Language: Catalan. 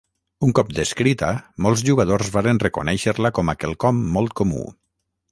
Un cop descrita, molts jugadors varen reconèixer-la com a quelcom molt comú.